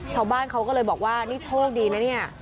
ชาวบ้านเขาก็เลยบอกว่านี่โชคดีนะเนี่ย